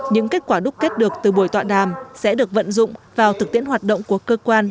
những kết quả đúc kết được từ buổi tọa đàm sẽ được vận dụng vào thực tiễn hoạt động của cơ quan